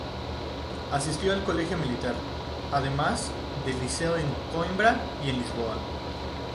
Asistió al Colegio Militar, además del Liceo en Coimbra y en Lisboa.